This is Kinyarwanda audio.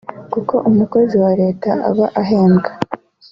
kuko umukozi wa Leta aba ahembwa